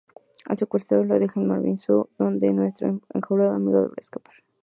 Al secuestrarlo lo deja en el Marvin zoo, donde nuestro enjaulado amigo deberá escapar.